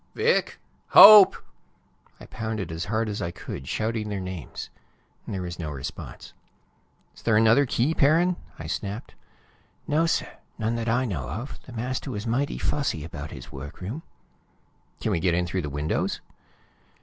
"Vic! Hope!" I pounded as hard as I could, shouting their names. There was no response. "Is there another key, Perrin?" I snapped. "No, sir; none that I know of. The master was mighty fussy about his workroom." "Can we get in through the windows?"